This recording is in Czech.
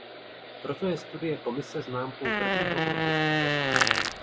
Proto je studie Komise známkou prvního kroku vpřed.